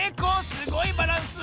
すごいバランス！